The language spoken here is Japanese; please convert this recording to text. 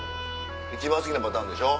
一番好きなパターンでしょ。